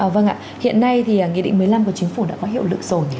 vâng ạ hiện nay thì nghị định một mươi năm của chính phủ đã có hiệu lực rồi